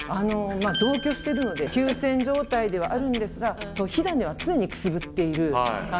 同居してるので休戦状態ではあるんですが火種は常にくすぶっている感じで。